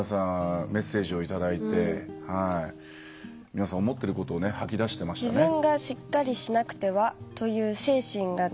皆さん思ってることを吐き出してましたね。